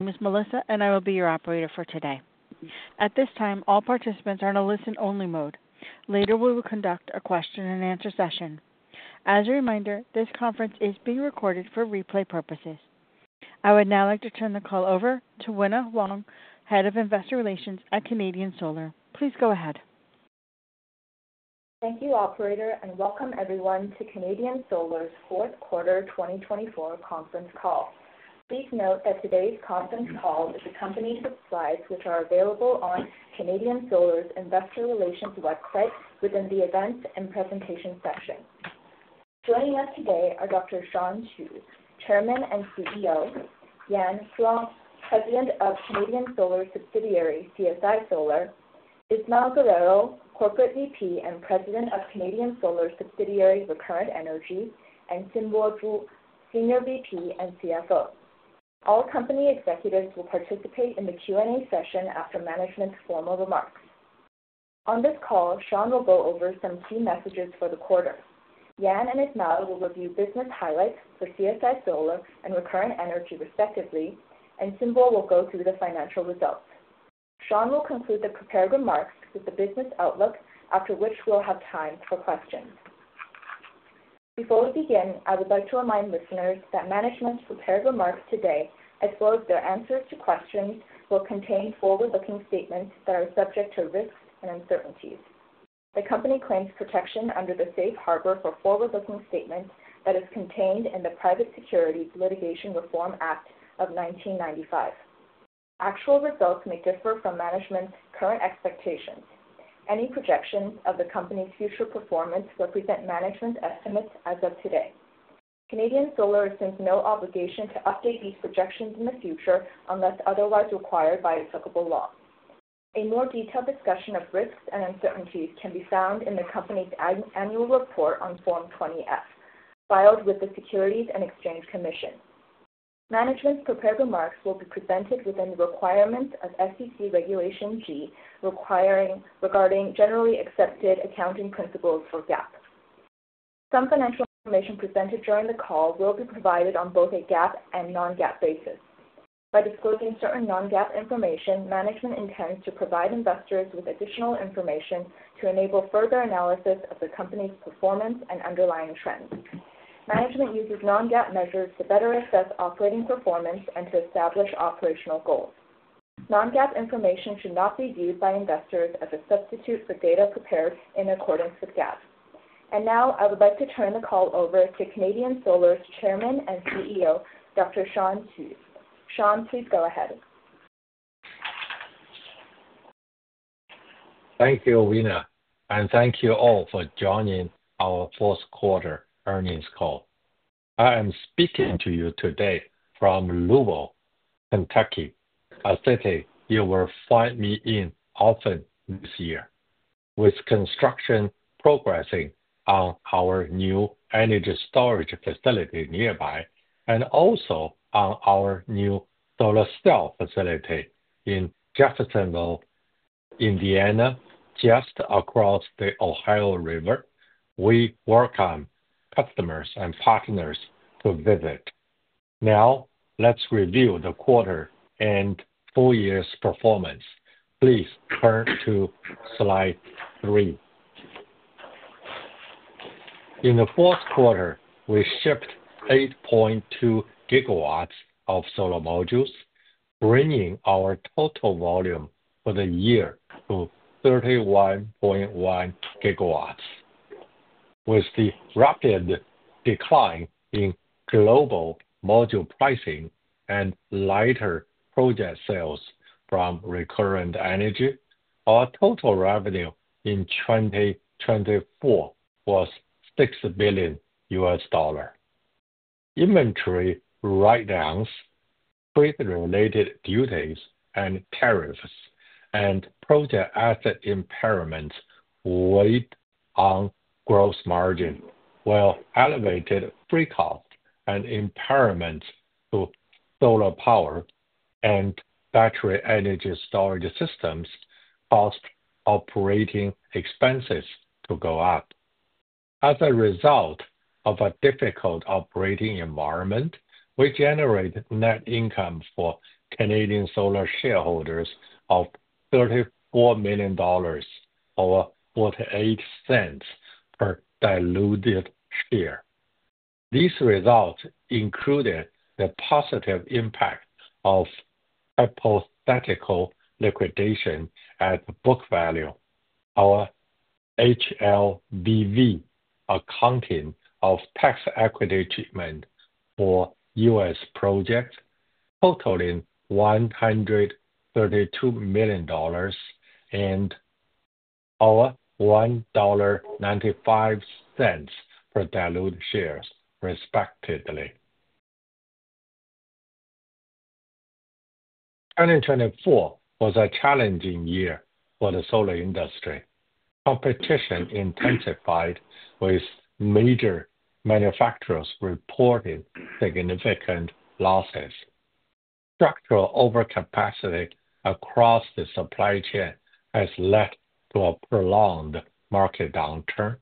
Ms. Melissa, and I will be your operator for today. At this time, all participants are in a listen-only mode. Later, we will conduct a question-and-answer session. As a reminder, this conference is being recorded for replay purposes. I would now like to turn the call over to Wina Huang, Head of Investor Relations at Canadian Solar. Please go ahead. Thank you, Operator, and welcome everyone to Canadian Solar's fourth quarter 2024 conference call. Please note that today's conference call is accompanied by slides which are available on Canadian Solar's Investor Relations website within the Events and Presentations section. Joining us today are Dr. Shawn Qu, Chairman and CEO; Yan Zhuang, President of Canadian Solar's subsidiary, CSI Solar; Ismael Guerrero, Corporate VP and President of Canadian Solar's subsidiary, Recurrent Energy; and Xinbo Zhu, Senior VP and CFO. All company executives will participate in the Q&A session after management's formal remarks. On this call, Shawn will go over some key messages for the quarter. Yan and Ismael will review business highlights for CSI Solar and Recurrent Energy, respectively, and Xinbo will go through the financial results. Shawn will conclude the prepared remarks with the business outlook, after which we'll have time for questions. Before we begin, I would like to remind listeners that management's prepared remarks today, as well as their answers to questions, will contain forward-looking statements that are subject to risks and uncertainties. The company claims protection under the Safe Harbor for Forward-Looking Statements that is contained in the Private Securities Litigation Reform Act of 1995. Actual results may differ from management's current expectations. Any projections of the company's future performance represent management's estimates as of today. Canadian Solar has since no obligation to update these projections in the future unless otherwise required by applicable law. A more detailed discussion of risks and uncertainties can be found in the company's annual report on Form 20F, filed with the Securities and Exchange Commission. Management's prepared remarks will be presented within the requirements of SEC Regulation G regarding generally accepted accounting principles for GAAP. Some financial information presented during the call will be provided on both a GAAP and non-GAAP basis. By disclosing certain non-GAAP information, management intends to provide investors with additional information to enable further analysis of the company's performance and underlying trends. Management uses non-GAAP measures to better assess operating performance and to establish operational goals. Non-GAAP information should not be viewed by investors as a substitute for data prepared in accordance with GAAP. I would like to turn the call over to Canadian Solar's Chairman and CEO, Dr. Shawn Qu. Shawn, please go ahead. Thank you, Wina, and thank you all for joining our Fourth Quarter earnings call. I am speaking to you today from Louisville, Kentucky, a city you will find me in often this year, with construction progressing on our new energy storage facility nearby and also on our new solar cell facility in Jeffersonville, Indiana, just across the Ohio River. We welcome customers and partners to visit. Now, let's review the quarter and full year's performance. Please turn to slide three. In the fourth quarter, we shipped 8.2 gigawatts of solar modules, bringing our total volume for the year to 31.1 gigawatts. With the rapid decline in global module pricing and lighter project sales from Recurrent Energy, our total revenue in 2024 was $6 billion. Inventory write-downs, freight-related duties, and tariffs and project asset impairments weighed on gross margin, while elevated freight costs and impairments to solar power and battery energy storage systems caused operating expenses to go up. As a result of a difficult operating environment, we generated net income for Canadian Solar shareholders of $34 million or $0.48 per diluted share. These results included the positive impact of hypothetical liquidation at book value, our HLBV accounting of tax equity treatment for U.S. projects totaling $132 million and $1.95 per diluted share, respectively. 2024 was a challenging year for the solar industry. Competition intensified, with major manufacturers reporting significant losses. Structural overcapacity across the supply chain has led to a prolonged market downturn,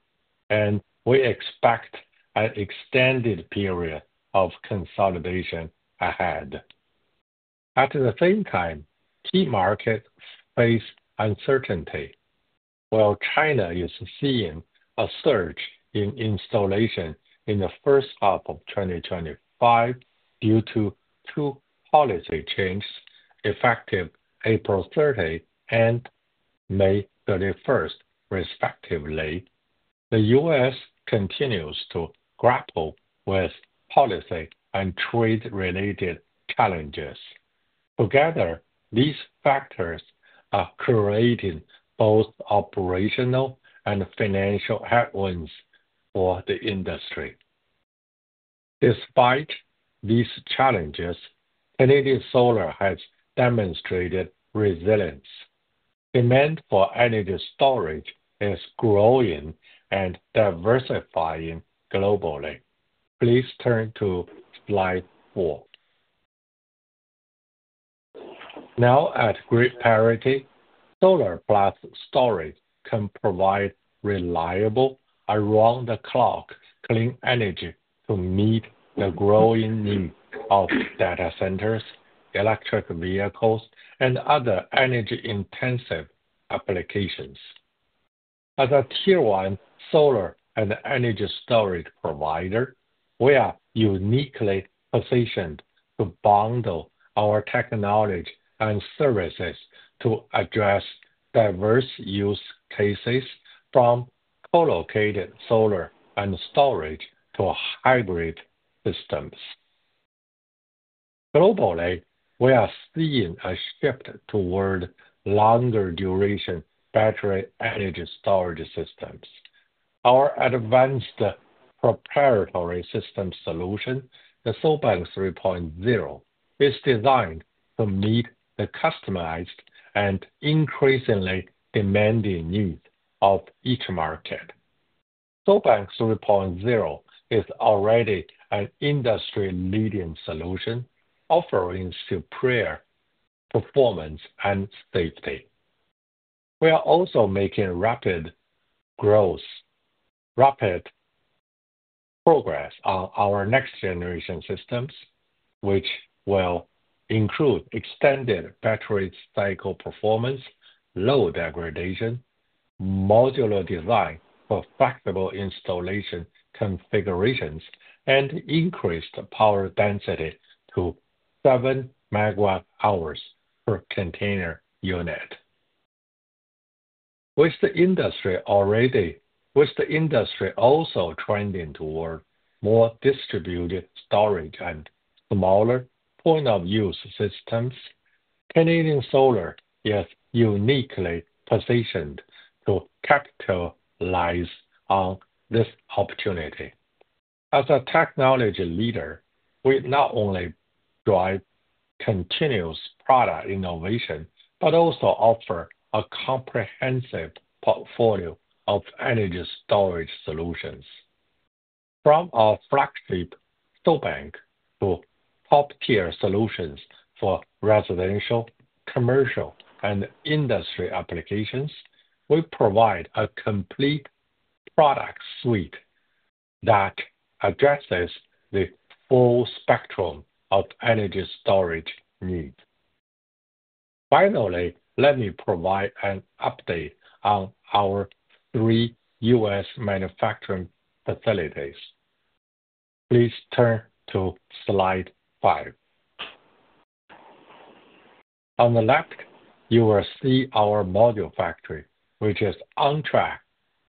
and we expect an extended period of consolidation ahead. At the same time, key markets face uncertainty, while China is seeing a surge in installation in the first half of 2025 due to two policy changes effective April 30 and May 31, respectively. The U.S. continues to grapple with policy and trade-related challenges. Together, these factors are creating both operational and financial headwinds for the industry. Despite these challenges, Canadian Solar has demonstrated resilience. Demand for energy storage is growing and diversifying globally. Please turn to slide four. Now, at grid parity, solar plus storage can provide reliable, around-the-clock clean energy to meet the growing need of data centers, electric vehicles, and other energy-intensive applications. As a tier-one solar and energy storage provider, we are uniquely positioned to bundle our technology and services to address diverse use cases, from co-located solar and storage to hybrid systems. Globally, we are seeing a shift toward longer-duration battery energy storage systems. Our advanced proprietary system solution, the SolBank 3.0, is designed to meet the customized and increasingly demanding needs of each market. SolBank 3.0 is already an industry-leading solution, offering superior performance and safety. We are also making rapid progress on our next-generation systems, which will include extended battery cycle performance, low degradation, modular design for flexible installation configurations, and increased power density to 7 megawatt-hours per container unit. With the industry already trending toward more distributed storage and smaller point-of-use systems, Canadian Solar is uniquely positioned to capitalize on this opportunity. As a technology leader, we not only drive continuous product innovation but also offer a comprehensive portfolio of energy storage solutions. From our flagship SolBank to top-tier solutions for residential, commercial, and industry applications, we provide a complete product suite that addresses the full spectrum of energy storage needs. Finally, let me provide an update on our three U.S. manufacturing facilities. Please turn to slide five. On the left, you will see our module factory, which is on track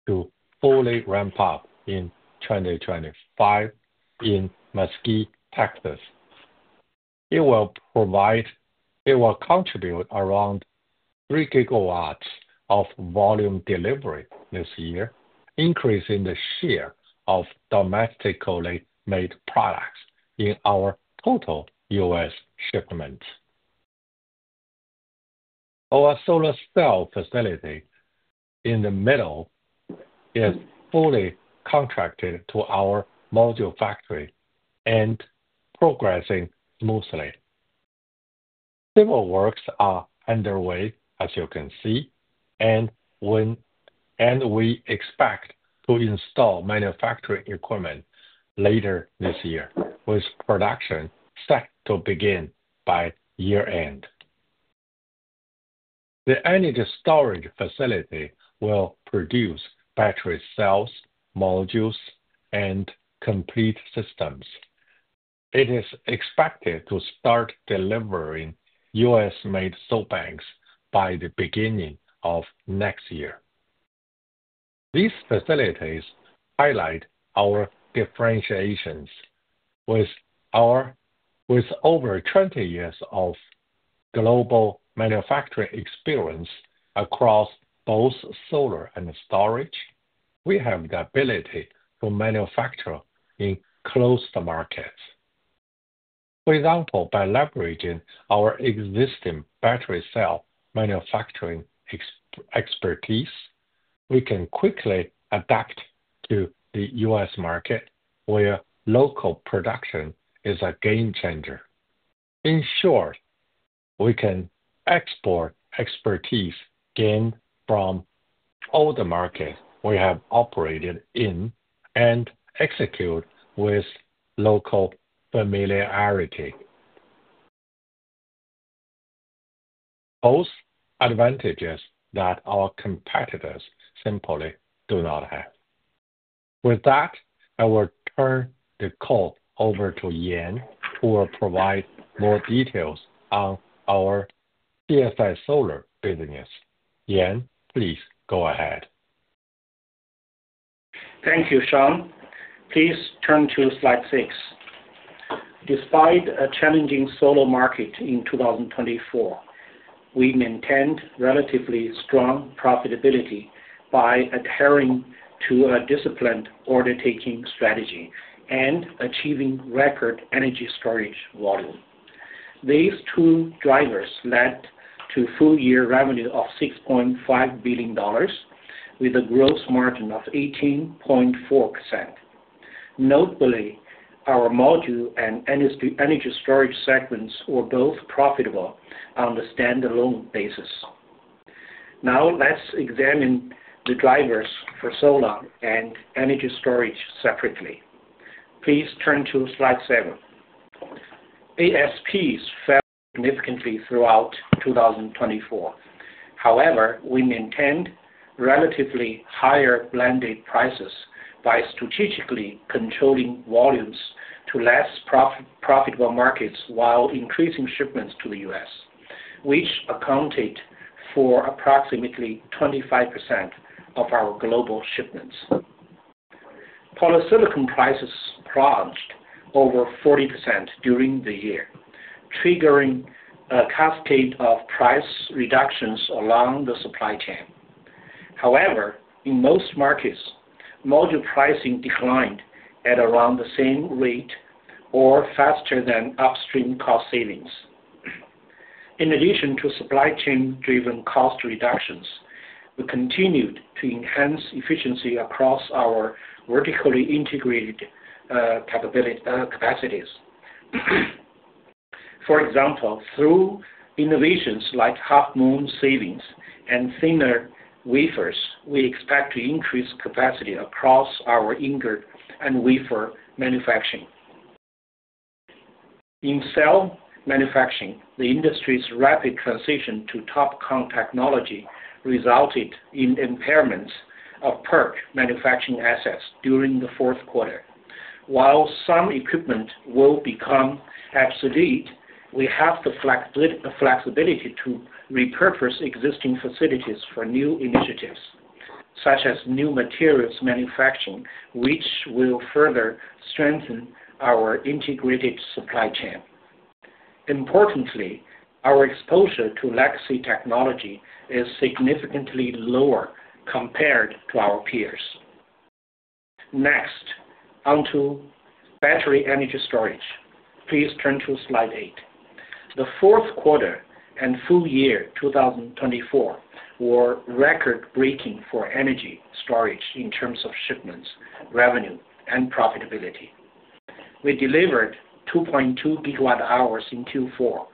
to fully ramp up in 2025 in Mesquite, Texas. It will contribute around 3 gigawatts of volume delivery this year, increasing the share of domestically made products in our total U.S. shipments. Our solar cell facility in the middle is fully contracted to our module factory and progressing smoothly. Civil works are underway, as you can see, and we expect to install manufacturing equipment later this year, with production set to begin by year-end. The energy storage facility will produce battery cells, modules, and complete systems. It is expected to start delivering U.S.-made SolBanks by the beginning of next year. These facilities highlight our differentiations. With over 20 years of global manufacturing experience across both solar and storage, we have the ability to manufacture in close markets. For example, by leveraging our existing battery cell manufacturing expertise, we can quickly adapt to the U.S. market, where local production is a game changer. In short, we can export expertise gained from all the markets we have operated in and execute with local familiarity, both advantages that our competitors simply do not have. With that, I will turn the call over to Yan, who will provide more details on our CSI Solar business. Yan, please go ahead. Thank you, Shawn. Please turn to slide six. Despite a challenging solar market in 2024, we maintained relatively strong profitability by adhering to a disciplined order-taking strategy and achieving record energy storage volume. These two drivers led to full-year revenue of $6.5 billion, with a gross margin of 18.4%. Notably, our module and energy storage segments were both profitable on the standalone basis. Now, let's examine the drivers for solar and energy storage separately. Please turn to slide seven. ASPs fell significantly throughout 2024. However, we maintained relatively higher blended prices by strategically controlling volumes to less profitable markets while increasing shipments to the U.S., which accounted for approximately 25% of our global shipments. Polysilicon prices plunged over 40% during the year, triggering a cascade of price reductions along the supply chain. However, in most markets, module pricing declined at around the same rate or faster than upstream cost savings. In addition to supply chain-driven cost reductions, we continued to enhance efficiency across our vertically integrated capacities. For example, through innovations like half-moon savings and thinner wafers, we expect to increase capacity across our ingot and wafer manufacturing. In cell manufacturing, the industry's rapid transition to TOPCon technology resulted in impairments of PERC manufacturing assets during the fourth quarter. While some equipment will become obsolete, we have the flexibility to repurpose existing facilities for new initiatives, such as new materials manufacturing, which will further strengthen our integrated supply chain. Importantly, our exposure to legacy technology is significantly lower compared to our peers. Next, onto battery energy storage. Please turn to slide eight. The fourth quarter and full year 2024 were record-breaking for energy storage in terms of shipments, revenue, and profitability. We delivered 2.2 GWh in Q4,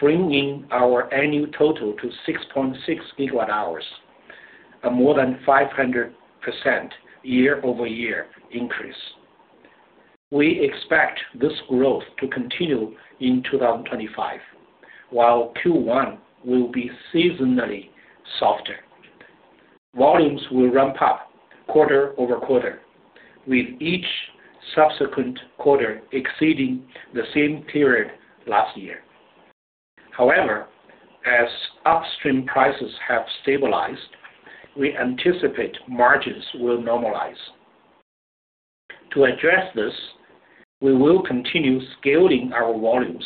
bringing our annual total to 6.6 GWh, a more than 500% year-over-year increase. We expect this growth to continue in 2025, while Q1 will be seasonally softer. Volumes will ramp up quarter over quarter, with each subsequent quarter exceeding the same period last year. However, as upstream prices have stabilized, we anticipate margins will normalize. To address this, we will continue scaling our volumes,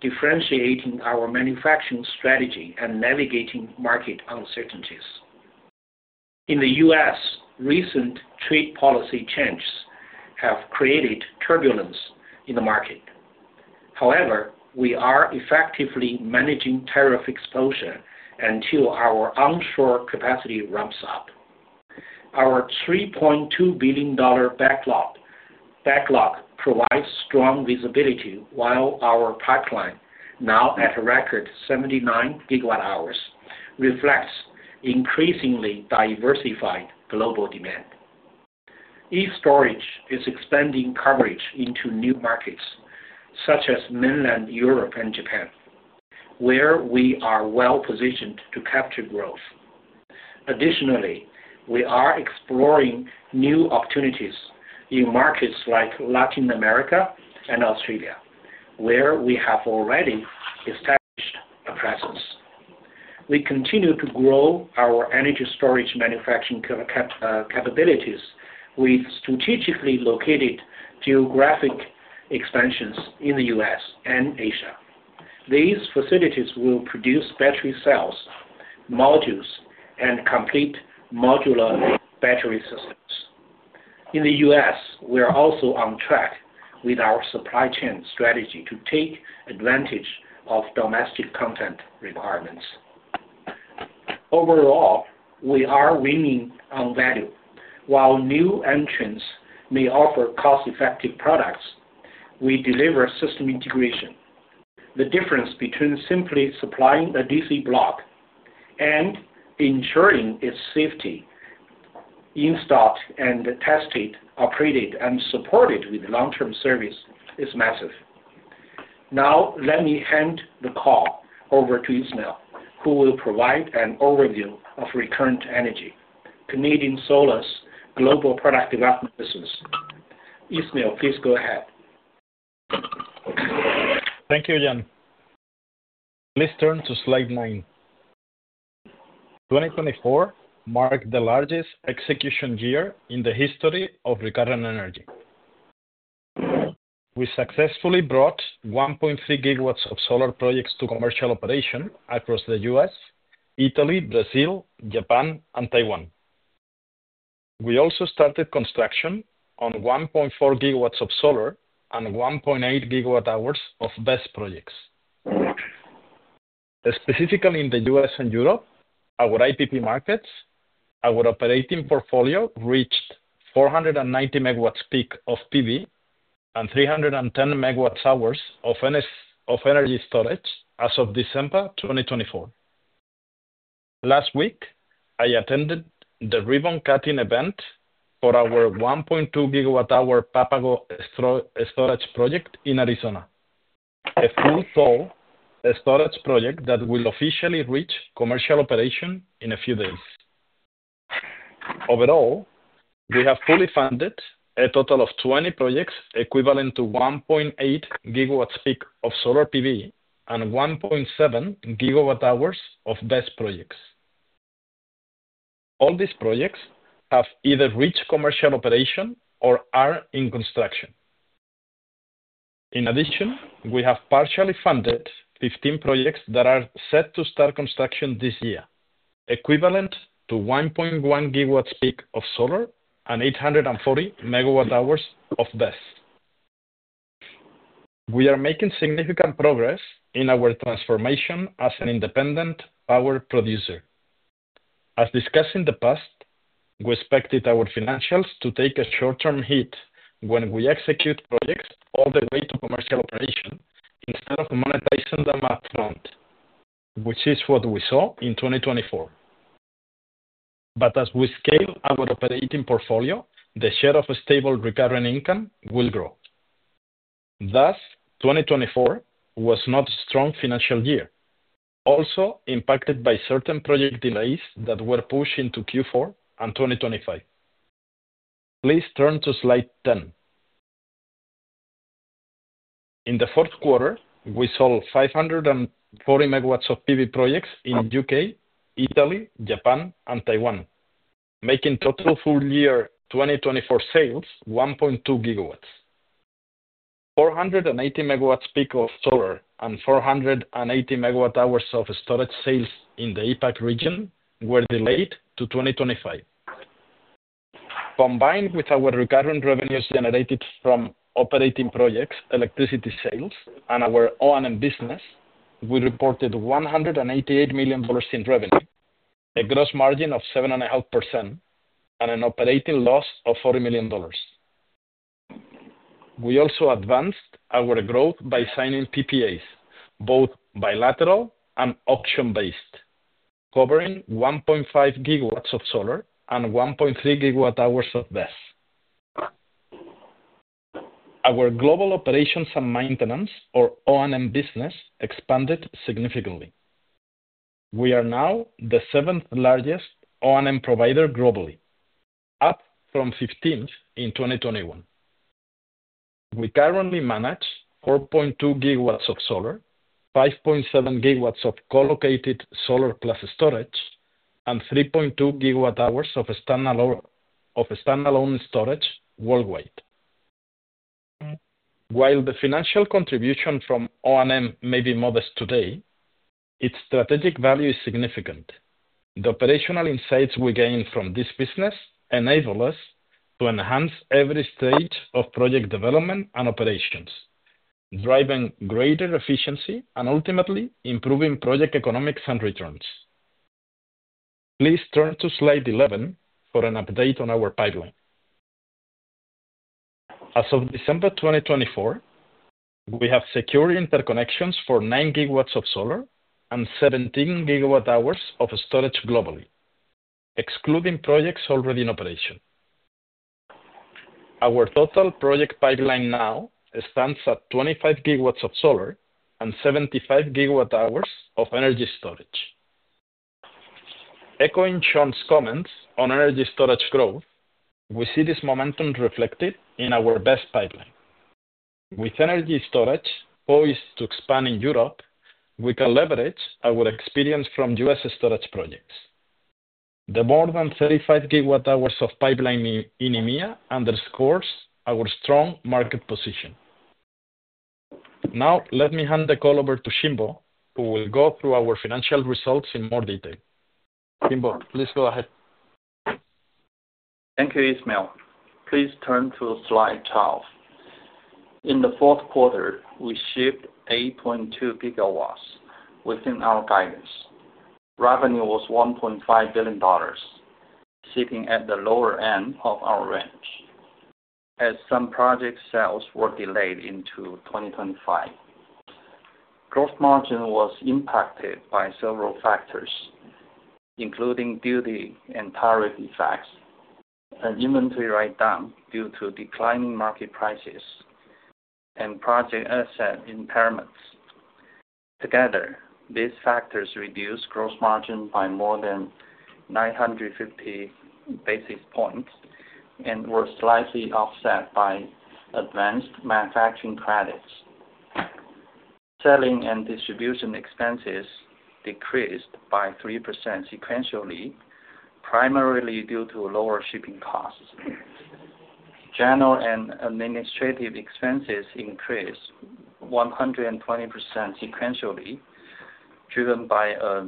differentiating our manufacturing strategy, and navigating market uncertainties. In the U.S., recent trade policy changes have created turbulence in the market. However, we are effectively managing tariff exposure until our onshore capacity ramps up. Our $3.2 billion backlog provides strong visibility, while our pipeline, now at a record 79 gigawatt-hours, reflects increasingly diversified global demand. E-STORAGE is expanding coverage into new markets, such as mainland Europe and Japan, where we are well-positioned to capture growth. Additionally, we are exploring new opportunities in markets like Latin America and Australia, where we have already established a presence. We continue to grow our energy storage manufacturing capabilities with strategically located geographic expansions in the U.S. and Asia. These facilities will produce battery cells, modules, and complete modular battery systems. In the U.S., we are also on track with our supply chain strategy to take advantage of domestic content requirements. Overall, we are winning on value. While new entrants may offer cost-effective products, we deliver system integration. The difference between simply supplying a DC block and ensuring its safety, installed and tested, operated, and supported with long-term service is massive. Now, let me hand the call over to Ismael, who will provide an overview of Recurrent Energy to Canadian Solar's global product development business. Ismael, please go ahead. Thank you, Yan. Please turn to slide nine. 2024 marked the largest execution year in the history of Recurrent Energy. We successfully brought 1.3 gigawatts of solar projects to commercial operation across the U.S., Italy, Brazil, Japan, and Taiwan. We also started construction on 1.4 gigawatts of solar and 1.8 gigawatt-hours of BESS projects. Specifically in the U.S. and Europe, our IPP markets, our operating portfolio reached 490 megawatts peak of PV and 310 megawatt-hours of energy storage as of December 2024. Last week, I attended the ribbon-cutting event for our 1.2 gigawatt-hour Papago storage project in Arizona, a full-toe storage project that will officially reach commercial operation in a few days. Overall, we have fully funded a total of 20 projects equivalent to 1.8 gigawatts peak of solar PV and 1.7 gigawatt-hours of BESS projects. All these projects have either reached commercial operation or are in construction. In addition, we have partially funded 15 projects that are set to start construction this year, equivalent to 1.1 gigawatts peak of solar and 840 megawatt-hours of BESS. We are making significant progress in our transformation as an independent power producer. As discussed in the past, we expected our financials to take a short-term hit when we execute projects all the way to commercial operation instead of monetizing them upfront, which is what we saw in 2024. As we scale our operating portfolio, the share of stable recurrent income will grow. Thus, 2024 was not a strong financial year, also impacted by certain project delays that were pushed into Q4 and 2025. Please turn to slide ten. In the fourth quarter, we sold 540 megawatts of PV projects in the U.K., Italy, Japan, and Taiwan, making total full-year 2024 sales 1.2 gigawatts. 480 megawatts peak of solar and 480 megawatt-hours of storage sales in the IPAC region were delayed to 2025. Combined with our recurrent revenues generated from operating projects, electricity sales, and our O&M business, we reported $188 million in revenue, a gross margin of 7.5%, and an operating loss of $40 million. We also advanced our growth by signing PPAs, both bilateral and auction-based, covering 1.5 gigawatts of solar and 1.3 gigawatt-hours of BESS. Our global operations and maintenance, or O&M business, expanded significantly. We are now the seventh-largest O&M provider globally, up from 15th in 2021. We currently manage 4.2 gigawatts of solar, 5.7 gigawatts of co-located solar-plus storage, and 3.2 gigawatt-hours of standalone storage worldwide. While the financial contribution from O&M may be modest today, its strategic value is significant. The operational insights we gained from this business enable us to enhance every stage of project development and operations, driving greater efficiency and ultimately improving project economics and returns. Please turn to slide 11 for an update on our pipeline. As of December 2024, we have secure interconnections for 9 gigawatts of solar and 17 gigawatt-hours of storage globally, excluding projects already in operation. Our total project pipeline now stands at 25 gigawatts of solar and 75 gigawatt-hours of energy storage. Echoing Shawn's comments on energy storage growth, we see this momentum reflected in our BESS pipeline. With energy storage poised to expand in Europe, we can leverage our experience from U.S. storage projects. The more than 35 gigawatt-hours of pipeline in EMEA underscores our strong market position. Now, let me hand the call over to Xinbo, who will go through our financial results in more detail. Xinbo, please go ahead. Thank you, Ismael. Please turn to slide 12. In the fourth quarter, we shipped 8.2 gigawatts within our guidance. Revenue was $1.5 billion, sitting at the lower end of our range, as some project sales were delayed into 2025. Gross margin was impacted by several factors, including duty and tariff effects, an inventory write-down due to declining market prices, and project asset impairments. Together, these factors reduced gross margin by more than 950 basis points and were slightly offset by advanced manufacturing credits. Selling and distribution expenses decreased by 3% sequentially, primarily due to lower shipping costs. General and administrative expenses increased 120% sequentially, driven by a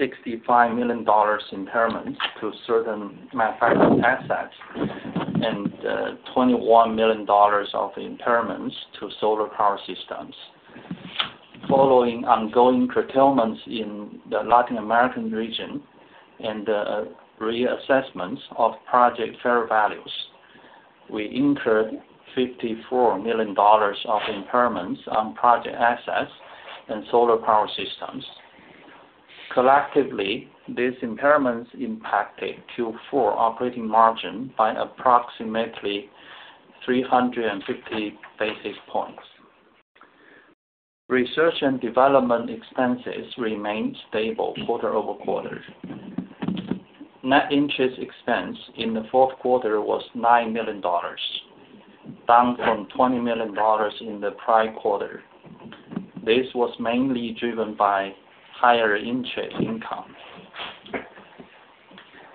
$65 million impairment to certain manufacturing assets and $21 million of impairments to solar power systems. Following ongoing curtailments in the Latin American region and reassessments of project fair values, we incurred $54 million of impairments on project assets and solar power systems. Collectively, these impairments impacted Q4 operating margin by approximately 350 basis points. Research and development expenses remained stable quarter over quarter. Net interest expense in the fourth quarter was $9 million, down from $20 million in the prior quarter. This was mainly driven by higher interest income.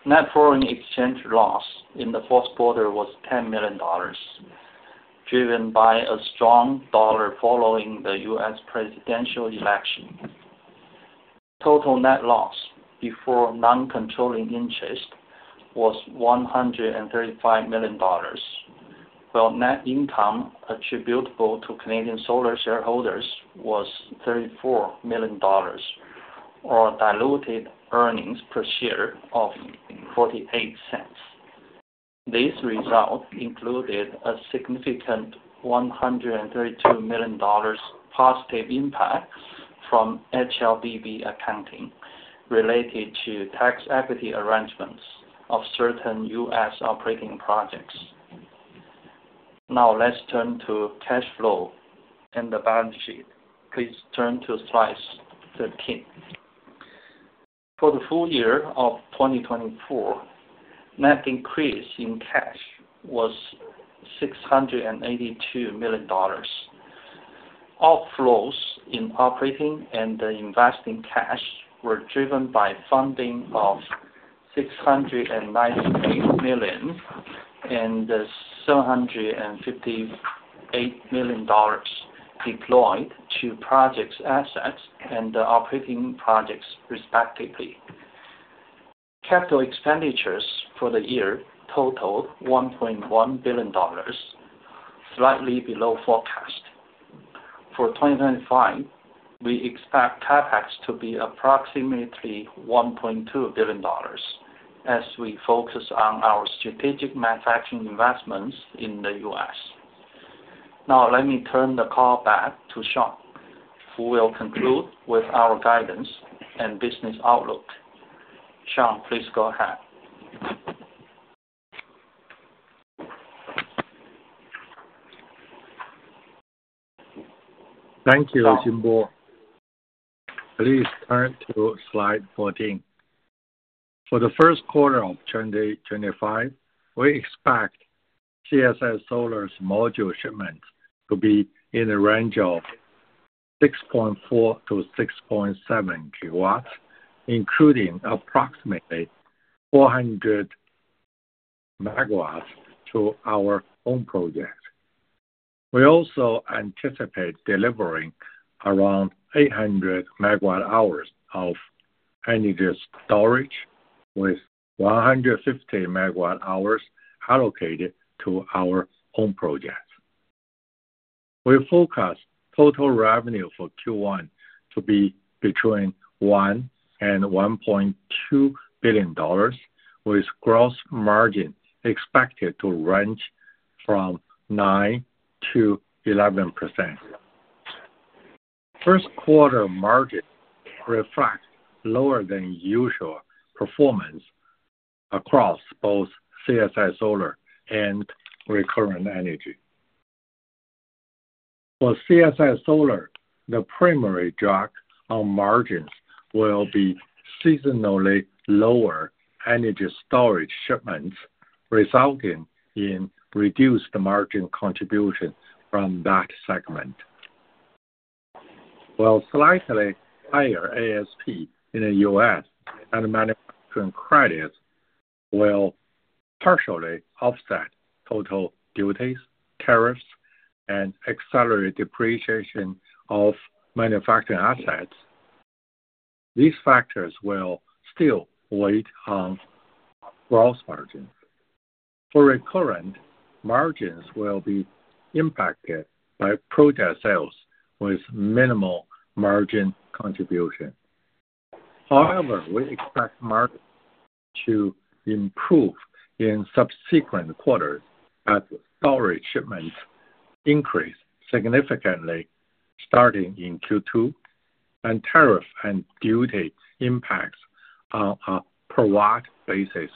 Net foreign exchange loss in the fourth quarter was $10 million, driven by a strong dollar following the U.S. presidential election. Total net loss before non-controlling interest was $135 million, while net income attributable to Canadian Solar shareholders was $34 million, or diluted earnings per share of $0.48. These results included a significant $132 million positive impact from HLBV accounting related to tax equity arrangements of certain U.S. operating projects. Now, let's turn to cash flow and the balance sheet. Please turn to slide 13. For the full year of 2024, net increase in cash was $682 million. Outflows in operating and investing cash were driven by funding of $698 million and $758 million deployed to project assets and operating projects, respectively. Capital expenditures for the year totaled $1.1 billion, slightly below forecast. For 2025, we expect CapEx to be approximately $1.2 billion, as we focus on our strategic manufacturing investments in the U.S. Now, let me turn the call back to Shawn, who will conclude with our guidance and business outlook. Shawn, please go ahead. Thank you, Xinbo. Please turn to slide 14. For the first quarter of 2025, we expect CSI Solar's module shipment to be in the range of 6.4-6.7 gigawatts, including approximately 400 megawatts to our own project. We also anticipate delivering around 800 megawatt-hours of energy storage, with 150 megawatt-hours allocated to our own projects. We focus total revenue for Q1 to be between $1 billion and $1.2 billion, with gross margin expected to range from 9%-11%. First quarter margin reflects lower-than-usual performance across both CSI Solar and Recurrent Energy. For CSI Solar, the primary drag on margins will be seasonally lower energy storage shipments, resulting in reduced margin contribution from that segment, while slightly higher ASP in the U.S. and manufacturing credits will partially offset total duties, tariffs, and accelerated depreciation of manufacturing assets. These factors will still weigh on gross margins. For Recurrent, margins will be impacted by project sales with minimal margin contribution. However, we expect margins to improve in subsequent quarters as the storage shipments increase significantly starting in Q2, and tariff and duty impacts on a per-watt basis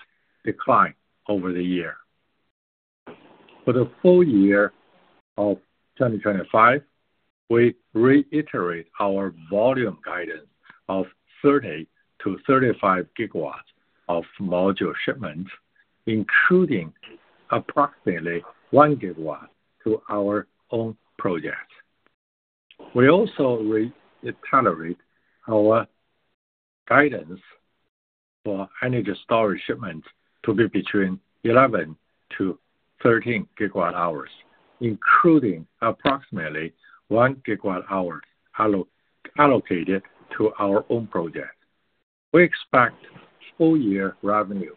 decline over the year. For the full year of 2025, we reiterate our volume guidance of 30-35 gigawatts of module shipments, including approximately 1 gigawatt to our own projects. We also reiterate our guidance for energy storage shipments to be between 11-13 gigawatt-hours, including approximately 1 gigawatt-hour allocated to our own projects. We expect full-year revenue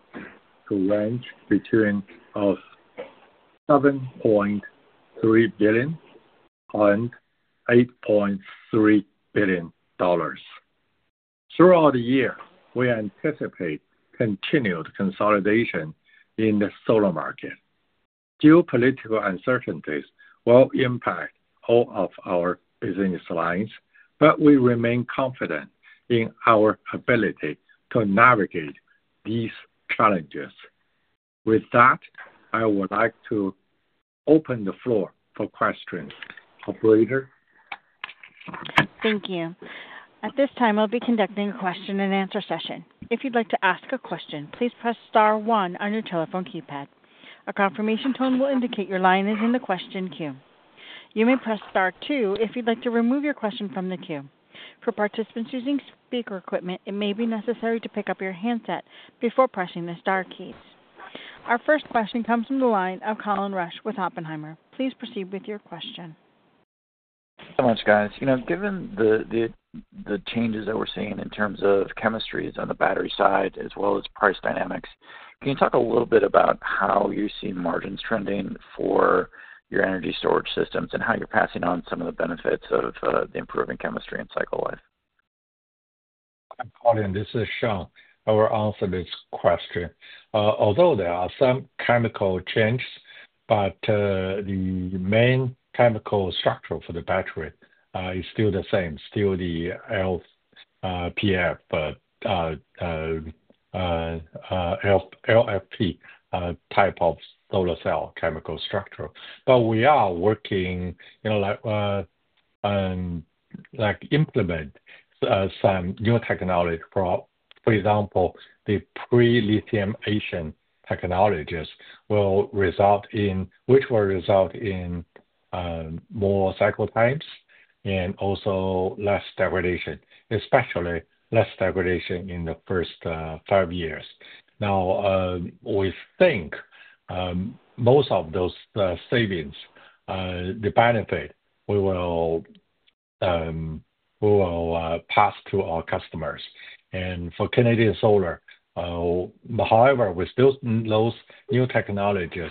to range between $7.3 billion and $8.3 billion. Throughout the year, we anticipate continued consolidation in the solar market. Geopolitical uncertainties will impact all of our business lines, but we remain confident in our ability to navigate these challenges. With that, I would like to open the floor for questions. Operator. Thank you. At this time, I'll be conducting a question-and-answer session. If you'd like to ask a question, please press star one on your telephone keypad. A confirmation tone will indicate your line is in the question queue. You may press star two if you'd like to remove your question from the queue. For participants using speaker equipment, it may be necessary to pick up your handset before pressing the star keys. Our first question comes from the line of Colin Rusch with Oppenheimer & Company. Please proceed with your question. Thanks so much, guys. You know, given the changes that we're seeing in terms of chemistries on the battery side as well as price dynamics, can you talk a little bit about how you see margins trending for your energy storage systems and how you're passing on some of the benefits of the improving chemistry and cycle life? I'm Colin. This is Shawn who will answer this question. Although there are some chemical changes, the main chemical structure for the battery is still the same, still the LFP, but LFP type of solar cell chemical structure. We are working on implementing some new technologies. For example, the pre-lithiation technologies will result in, which will result in more cycle times and also less degradation, especially less degradation in the first five years. We think most of those savings, the benefit, we will pass to our customers. For Canadian Solar, however, with those new technologies,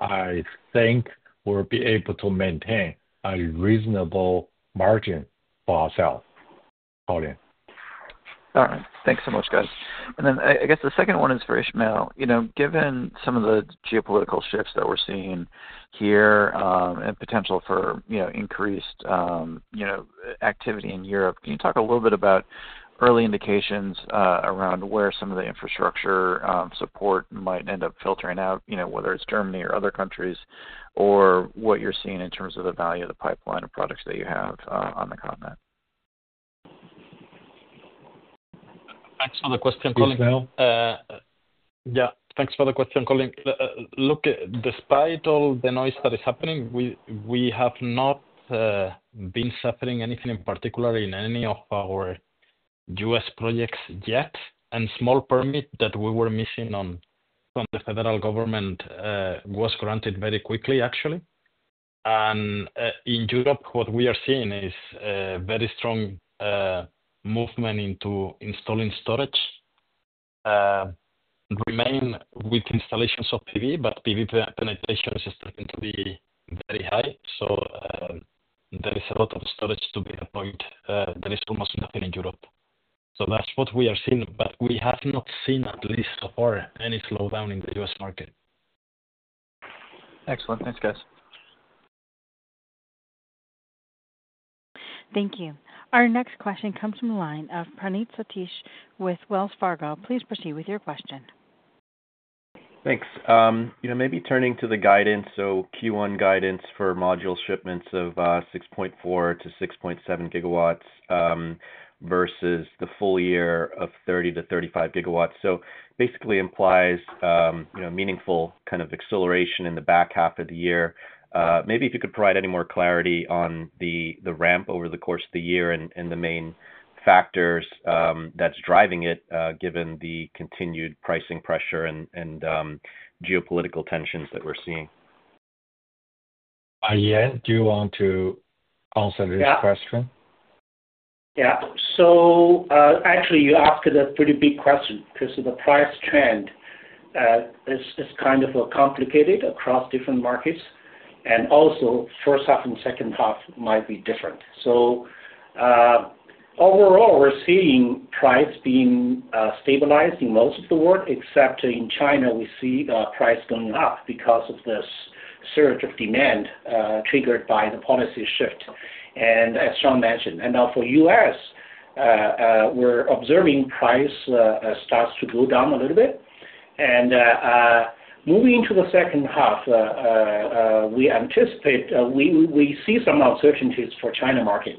I think we'll be able to maintain a reasonable margin for ourselves. Colin. All right. Thanks so much, guys. I guess the second one is for Ismael. You know, given some of the geopolitical shifts that we're seeing here and potential for increased activity in Europe, can you talk a little bit about early indications around where some of the infrastructure support might end up filtering out, whether it's Germany or other countries, or what you're seeing in terms of the value of the pipeline of products that you have on the continent? Thanks for the question, Colin. Ismael? Yeah. Thanks for the question, Colin. Look, despite all the noise that is happening, we have not been suffering anything in particular in any of our U.S. projects yet. A small permit that we were missing from the federal government was granted very quickly, actually. In Europe, what we are seeing is a very strong movement into installing storage. We remain with installations of PV, but PV penetration is starting to be very high. There is a lot of storage to be deployed. There is almost nothing in Europe. That is what we are seeing. We have not seen, at least so far, any slowdown in the U.S. market. Excellent. Thanks, guys. Thank you. Our next question comes from the line of Praneeth Satish with Wells Fargo. Please proceed with your question. Thanks. Maybe turning to the guidance, Q1 guidance for module shipments of 6.4-6.7 gigawatts versus the full year of 30-35 gigawatts. Basically implies meaningful kind of acceleration in the back half of the year. Maybe if you could provide any more clarity on the ramp over the course of the year and the main factors that's driving it, given the continued pricing pressure and geopolitical tensions that we're seeing. Yan Zhuang to answer this question. Yeah. Actually, you asked a pretty big question because the price trend is kind of complicated across different markets. Also, first half and second half might be different. Overall, we're seeing price being stabilized in most of the world, except in China, we see price going up because of this surge of demand triggered by the policy shift, as Shawn mentioned. Now for the U.S., we're observing price starts to go down a little bit. Moving into the second half, we anticipate we see some uncertainties for China market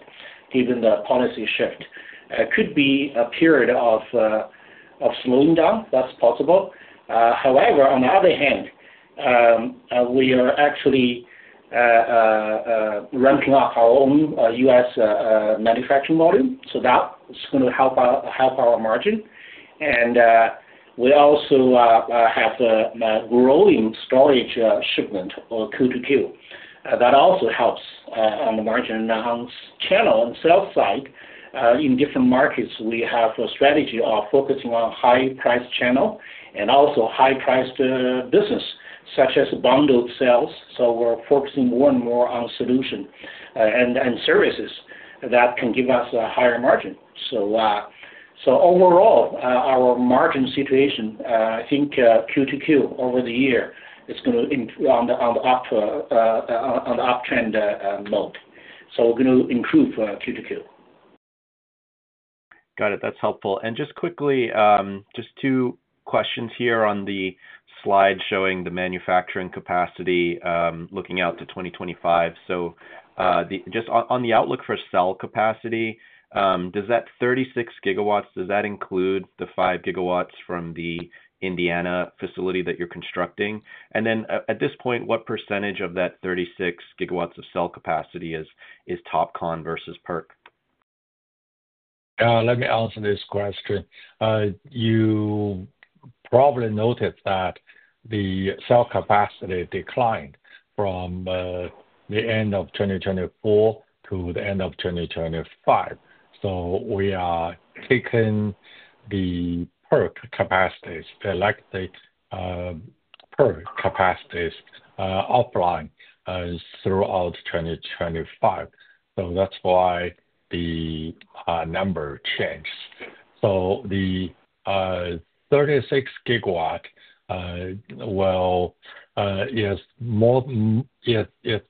given the policy shift. It could be a period of slowing down. That's possible. However, on the other hand, we are actually ramping up our own U.S. manufacturing volume. That's going to help our margin. We also have growing storage shipment or Q2Q. That also helps on the margin. On the channel and sales side, in different markets, we have a strategy of focusing on high-priced channel and also high-priced business, such as bundled sales. We are focusing more and more on solution and services that can give us a higher margin. Overall, our margin situation, I think Q2Q over the year is going to be on the uptrend mode. We are going to improve Q2Q. Got it. That's helpful. Just quickly, just two questions here on the slide showing the manufacturing capacity looking out to 2025. Just on the outlook for cell capacity, does that 36 gigawatts, does that include the 5 gigawatts from the Indiana facility that you're constructing? At this point, what percentage of that 36 gigawatts of cell capacity is TOPCon versus PERC? Let me answer this question. You probably noticed that the cell capacity declined from the end of 2024 to the end of 2025. We are taking the PERC capacities, elected PERC capacities offline throughout 2025. That is why the number changed. The 36 gigawatt is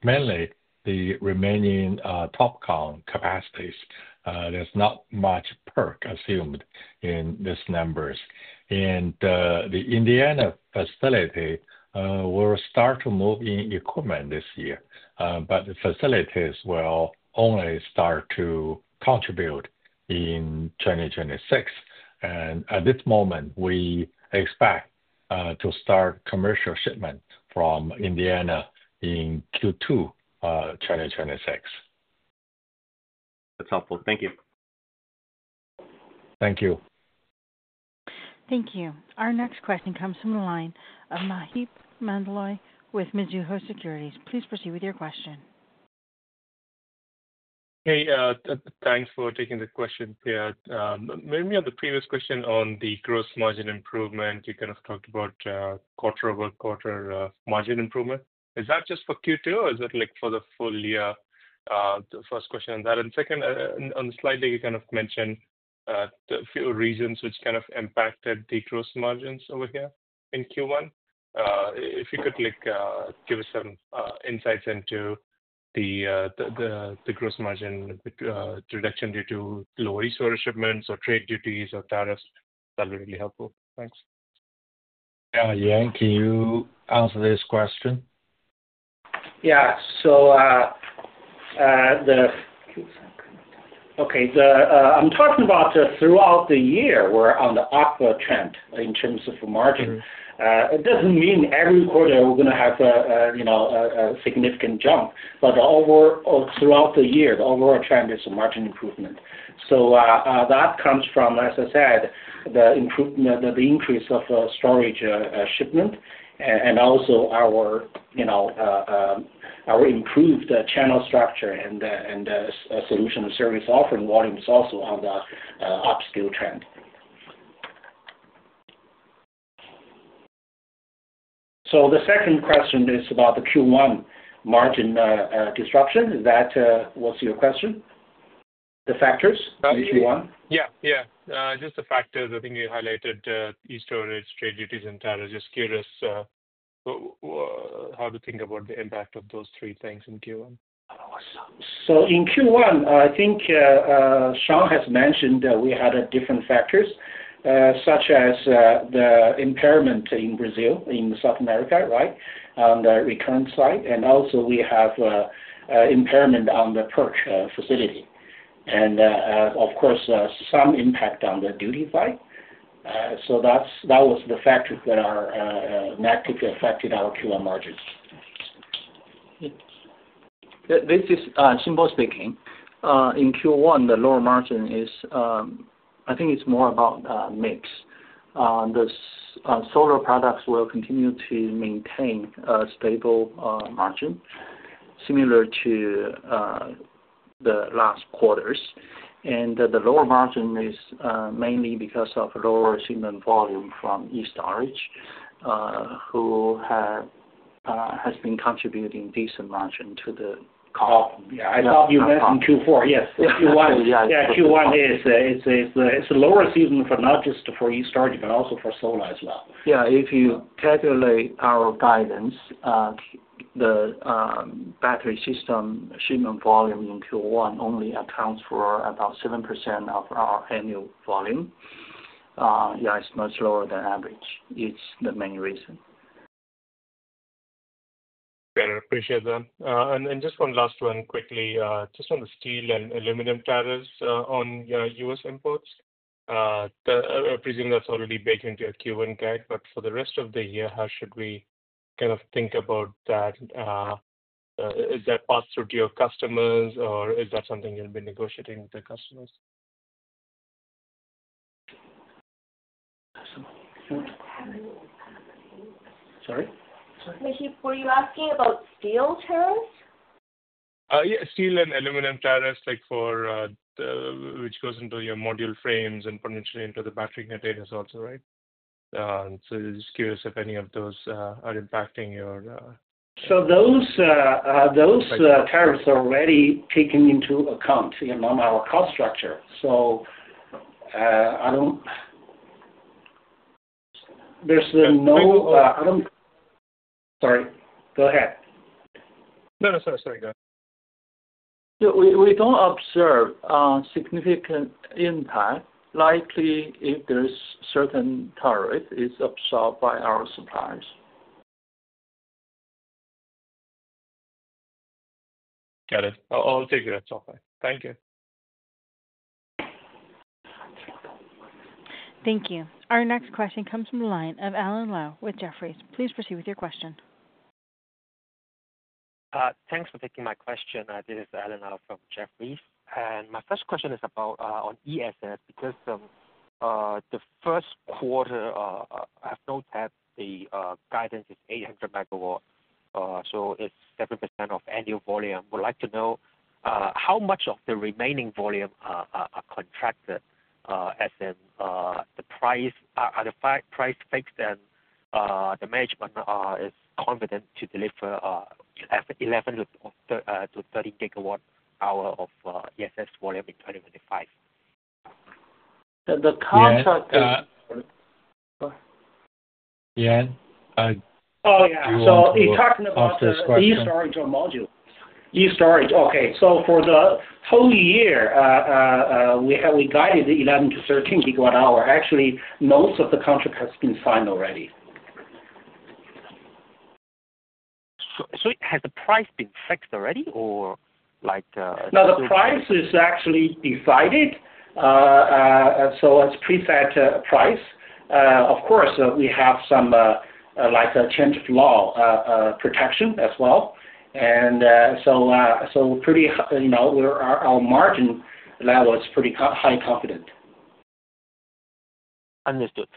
mainly the remaining TOPCon capacities. There is not much PERC assumed in these numbers. The Indiana facility will start to move in equipment this year, but the facilities will only start to contribute in 2026. At this moment, we expect to start commercial shipment from Indiana in Q2 2026. That's helpful. Thank you. Thank you. Thank you. Our next question comes from the line of Maheep Mandloi with Mizuho Securities. Please proceed with your question. Hey, thanks for taking the question, Pierre. Maybe on the previous question on the gross margin improvement, you kind of talked about quarter-over-quarter margin improvement. Is that just for Q2, or is it for the full year? The first question on that. Second, on the slide, you kind of mentioned a few reasons which kind of impacted the gross margins over here in Q1. If you could give us some insights into the gross margin reduction due to low resource shipments or trade duties or tariffs, that would be really helpful. Thanks. Yeah. Yan, can you answer this question? Yeah. Okay, I'm talking about throughout the year, we're on the upper trend in terms of margin. It doesn't mean every quarter we're going to have a significant jump, but throughout the year, the overall trend is a margin improvement. That comes from, as I said, the increase of storage shipment and also our improved channel structure and solution and service offering volumes also on the upscale trend. The second question is about the Q1 margin disruption. What's your question? The factors in Q1? Yeah. Yeah. Just the factors. I think you highlighted e-STORAGE, trade duties, and tariffs. Just curious how to think about the impact of those three things in Q1. In Q1, I think Shawn has mentioned that we had different factors, such as the impairment in Brazil, in South America, right, on the Recurrent side. We also have impairment on the PERC facility. Of course, some impact on the duty fight. That was the factors that are negatively affecting our Q1 margins. This is Xinbo speaking. In Q1, the lower margin is, I think it's more about mix. The solar products will continue to maintain a stable margin, similar to the last quarters. The lower margin is mainly because of lower shipment volume from e-STORAGE, who has been contributing decent margin to the. Oh, yeah. I thought you meant in Q4. Yes. Q1. Yeah. Q1 is lower season for not just for e-STORAGE, but also for solar as well. Yeah. If you calculate our guidance, the battery system shipment volume in Q1 only accounts for about 7% of our annual volume. Yeah, it's much lower than average. It's the main reason. Okay. Appreciate that. Just one last one quickly, just on the steel and aluminum tariffs on U.S. imports. Presuming that's already baked into your Q1 guide, but for the rest of the year, how should we kind of think about that? Is that passed through to your customers, or is that something you'll be negotiating with the customers? Sorry? Were you asking about steel tariffs? Yeah. Steel and aluminum tariffs, which goes into your module frames and potentially into the battery containers also, right? Just curious if any of those are impacting your. Those tariffs are already taken into account on our cost structure. There has been no—sorry. Go ahead. No, sorry. Sorry. Go ahead. We don't observe significant impact. Likely, if there's certain tariffs, it's absorbed by our suppliers. Got it. I'll take that. Thank you. Thank you. Our next question comes from the line of Alan Lau with Jefferies. Please proceed with your question. Thanks for taking my question. This is Alan Lau from Jefferies. My first question is about on ESS because the first quarter, I've noted the guidance is 800 megawatts. It is 7% of annual volume. Would like to know how much of the remaining volume are contracted as in the price? Are the price fixed and the management is confident to deliver 11-13 gigawatt hour of ESS volume in 2025? The contract is. Yan? Oh, yeah. So he's talking about e-STORAGE or module. e-STORAGE. Okay. For the whole year, we guided 11-13 gigawatt hour. Actually, most of the contract has been signed already. Has the price been fixed already, or? No, the price is actually decided. It is preset price. Of course, we have some change of law protection as well. Our margin level is pretty high confident. Understood.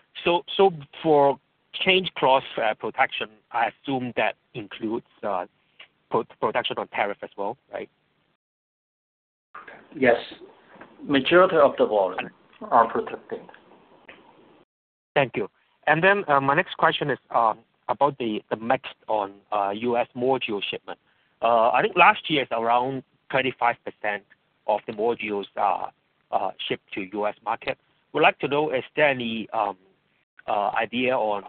For change price protection, I assume that includes protection on tariff as well, right? Yes. Majority of the volume are protected. Thank you. My next question is about the mix on U.S. module shipment. I think last year is around 25% of the modules shipped to the U.S. market. Would like to know, is there any idea on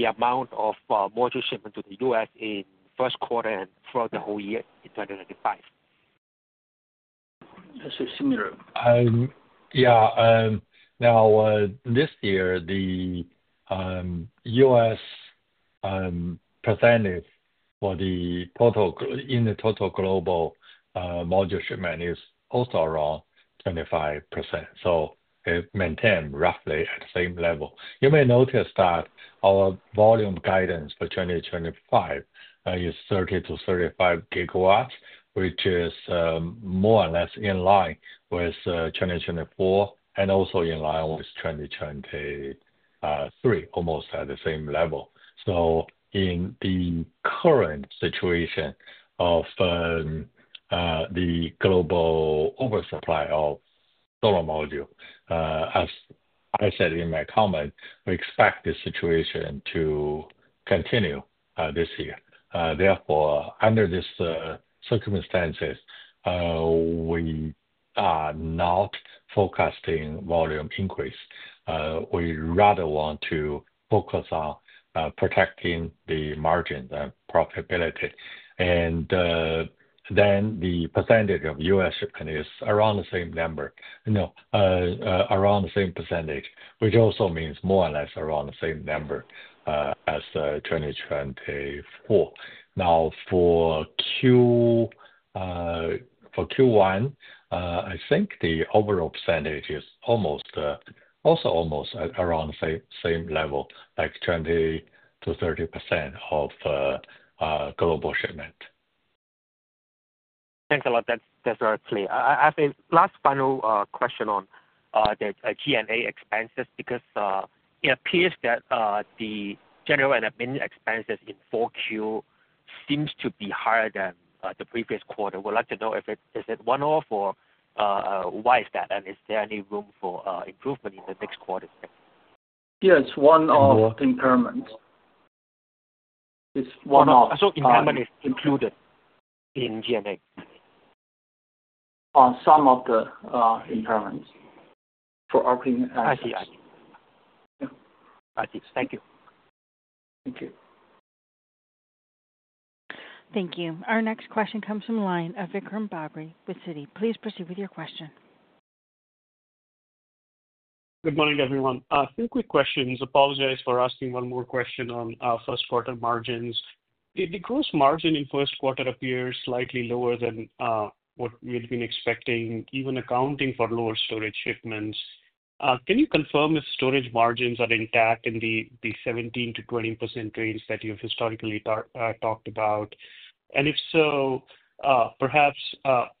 the amount of module shipment to the U.S. in first quarter and throughout the whole year in 2025? That's similar. Yeah. Now, this year, the U.S. percentage for the total global module shipment is also around 25%. It maintained roughly at the same level. You may notice that our volume guidance for 2025 is 30-35 gigawatts, which is more or less in line with 2024 and also in line with 2023, almost at the same level. In the current situation of the global oversupply of solar module, as I said in my comment, we expect this situation to continue this year. Therefore, under these circumstances, we are not focused on volume increase. We rather want to focus on protecting the margin and profitability. The percentage of U.S. shipment is around the same number. No, around the same percentage, which also means more or less around the same number as 2024. Now, for Q1, I think the overall percentage is also almost around the same level, like 20-30% of global shipment. Thanks a lot. That's very clear. I have a last final question on the G&A expenses because it appears that the general and admin expenses in 4Q seems to be higher than the previous quarter. Would like to know if it's one-off or why is that? Is there any room for improvement in the next quarter? Yes. One-off impairment. It's one-off. Is impairment included in G&A? On some of the impairments for our clients. I see. I see. Thank you. Thank you. Thank you. Our next question comes from the line of Vikram Bagri with Citi. Please proceed with your question. Good morning, everyone. A few quick questions. Apologize for asking one more question on first quarter margins. The gross margin in first quarter appears slightly lower than what we had been expecting, even accounting for lower storage shipments. Can you confirm if storage margins are intact in the 17%-20% range that you've historically talked about? If so, perhaps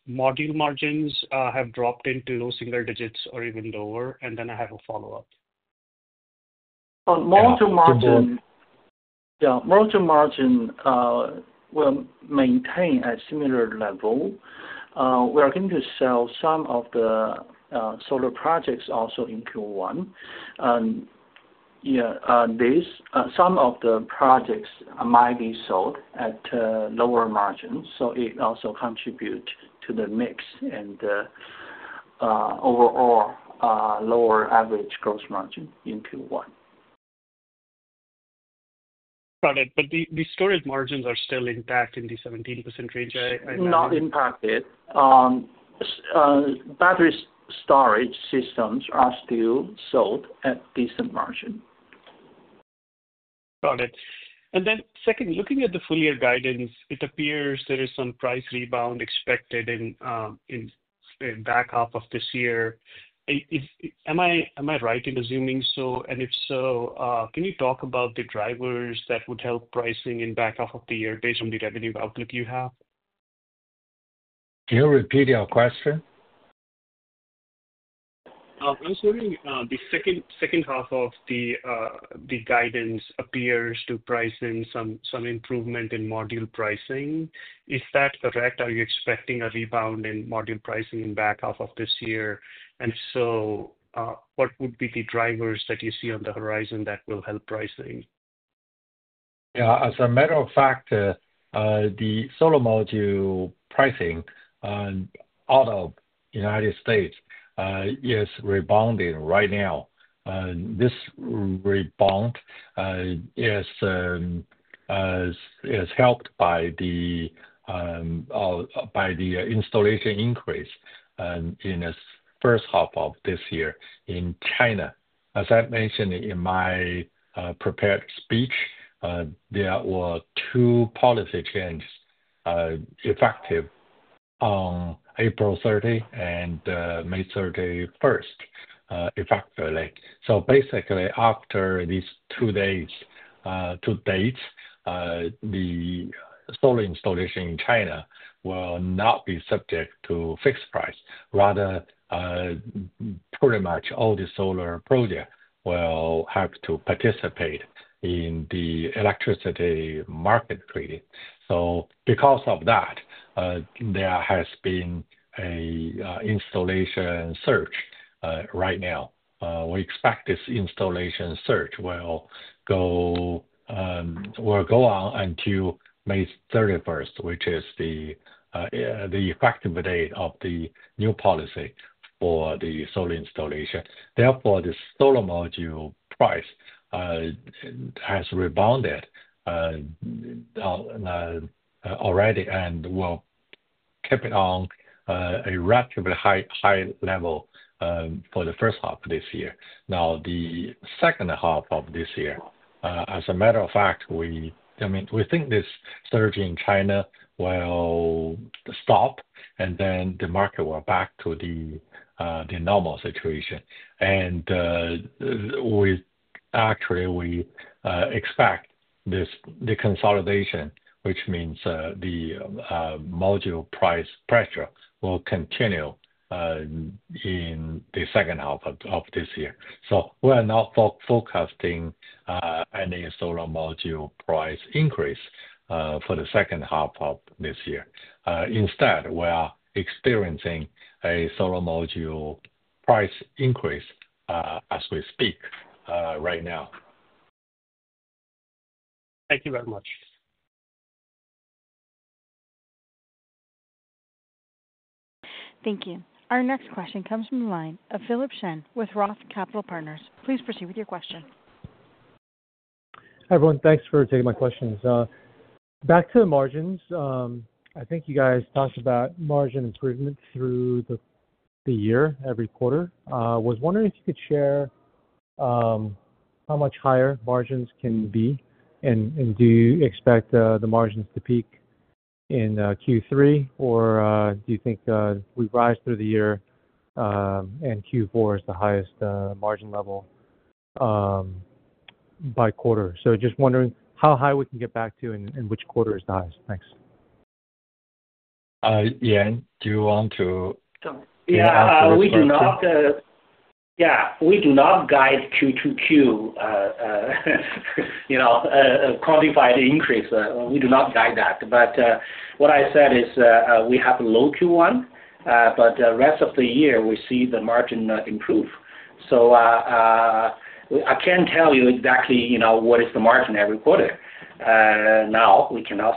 module margins have dropped into low single digits or even lower? I have a follow-up. Module margin, yeah, module margin will maintain at similar level. We are going to sell some of the solar projects also in Q1. Yeah. Some of the projects might be sold at lower margins. It also contributes to the mix and overall lower average gross margin in Q1. Got it. The storage margins are still intact in the 17% range, I know? Not impacted. Battery storage systems are still sold at decent margin. Got it. Then second, looking at the full year guidance, it appears there is some price rebound expected in back half of this year. Am I right in assuming so? If so, can you talk about the drivers that would help pricing in back half of the year based on the revenue outlook you have? Can you repeat your question? I was wondering, the second half of the guidance appears to price in some improvement in module pricing. Is that correct? Are you expecting a rebound in module pricing in back half of this year? What would be the drivers that you see on the horizon that will help pricing? Yeah. As a matter of fact, the solar module pricing out of the U.S. is rebounding right now. This rebound is helped by the installation increase in the first half of this year in China. As I mentioned in my prepared speech, there were two policy changes effective on April 30 and May 31 effectively. Basically, after these two dates, the solar installation in China will not be subject to fixed price. Rather, pretty much all the solar projects will have to participate in the electricity market trading. Because of that, there has been an installation surge right now. We expect this installation surge will go on until May 31, which is the effective date of the new policy for the solar installation. Therefore, the solar module price has rebounded already and will keep it on a relatively high level for the first half of this year. Now, the second half of this year, as a matter of fact, I mean, we think this surge in China will stop, and the market will back to the normal situation. Actually, we expect the consolidation, which means the module price pressure will continue in the second half of this year. We are not focused on any solar module price increase for the second half of this year. Instead, we are experiencing a solar module price increase as we speak right now. Thank you very much. Thank you. Our next question comes from the line of Philip Shen with Roth Capital Partners. Please proceed with your question. Hi everyone. Thanks for taking my questions. Back to the margins, I think you guys talked about margin improvement through the year every quarter. I was wondering if you could share how much higher margins can be and do you expect the margins to peak in Q3, or do you think we rise through the year and Q4 is the highest margin level by quarter? Just wondering how high we can get back to and which quarter is the highest. Thanks. Yan, do you want to? Yeah. We do not. Yeah. We do not guide Q2Q quantified increase. We do not guide that. What I said is we have a low Q1, but the rest of the year, we see the margin improve. I can't tell you exactly what is the margin every quarter. Now, we cannot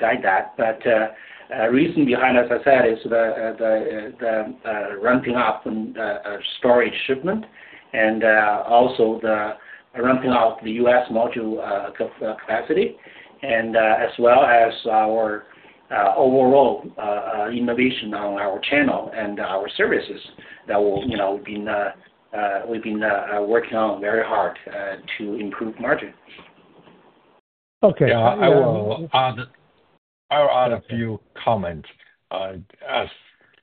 guide that. The reason behind, as I said, is the ramping up storage shipment and also the ramping up the U.S. module capacity, as well as our overall innovation on our channel and our services that we've been working on very hard to improve margin. Okay. I will add a few comments. As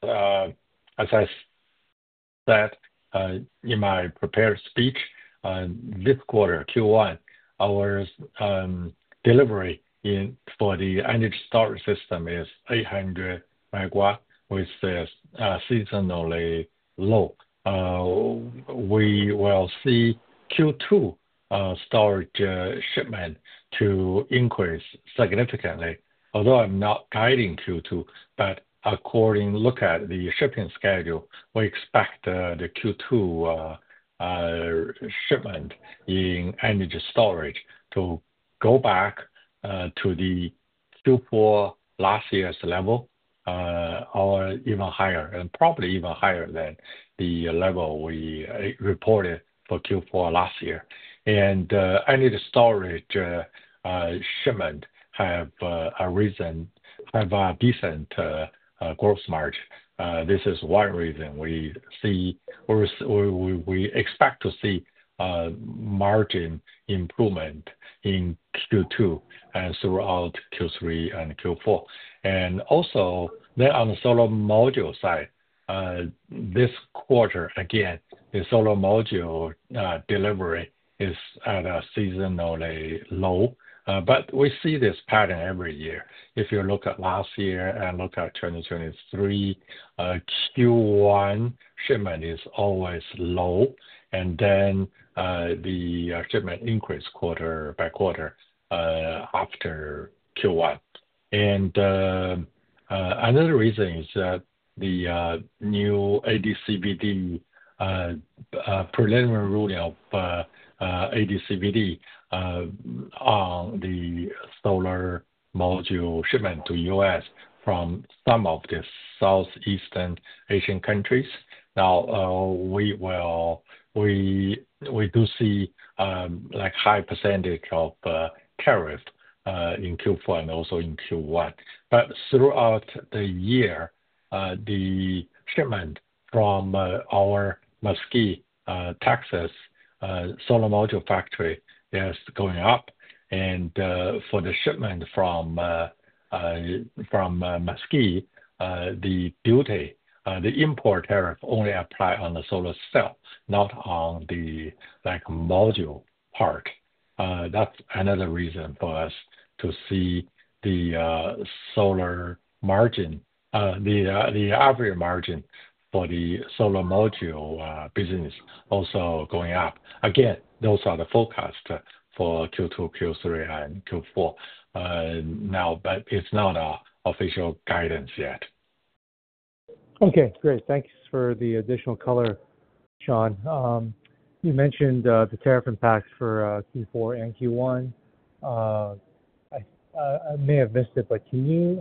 I said in my prepared speech, this quarter, Q1, our delivery for the energy storage system is 800 megawatts, which is seasonally low. We will see Q2 storage shipment to increase significantly. Although I'm not guiding Q2, but according to the look at the shipping schedule, we expect the Q2 shipment in energy storage to go back to the Q4 last year's level or even higher, and probably even higher than the level we reported for Q4 last year. Energy storage shipment have a reason, have a decent gross margin. This is one reason we see or we expect to see margin improvement in Q2 and throughout Q3 and Q4. Also, on the solar module side, this quarter, again, the solar module delivery is at a seasonally low. We see this pattern every year. If you look at last year and look at 2023, Q1 shipment is always low, and then the shipment increase quarter by quarter after Q1. Another reason is that the new ADCVD, preliminary ruling of ADCVD on the solar module shipment to the U.S. from some of the Southeastern Asian countries. We do see a high percentage of tariff in Q4 and also in Q1. Throughout the year, the shipment from our Mesquite, Texas solar module factory is going up. For the shipment from Mesquite, the import tariff only applies on the solar cell, not on the module part. That's another reason for us to see the average margin for the solar module business also going up. Again, those are the forecasts for Q2, Q3, and Q4 now, but it's not official guidance yet. Okay. Great. Thanks for the additional color, Shawn. You mentioned the tariff impacts for Q4 and Q1. I may have missed it, but can you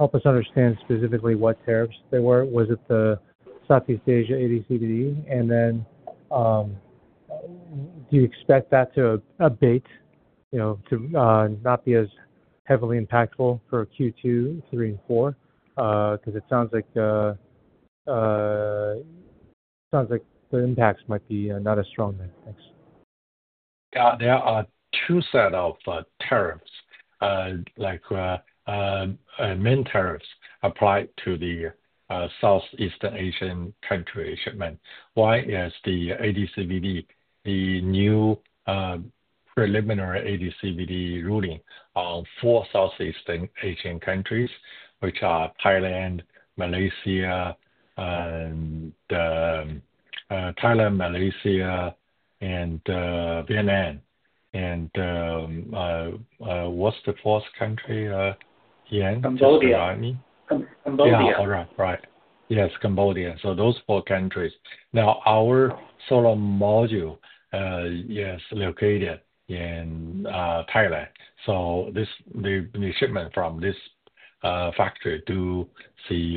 help us understand specifically what tariffs there were? Was it the Southeast Asia ADCVD? Do you expect that to abate, to not be as heavily impactful for Q2, Q3, and Q4? Because it sounds like the impacts might be not as strong then. Thanks. There are two sets of tariffs, like main tariffs applied to the Southeastern Asian country shipment. One is the ADCVD, the new preliminary ADCVD ruling for Southeastern Asian countries, which are Thailand, Malaysia, Thailand, Malaysia, and Vietnam. And what's the fourth country, Yan? Cambodia. Cambodia. Yeah. All right. Right. Yes, Cambodia. Those four countries. Now, our solar module is located in Thailand. The shipment from this factory will see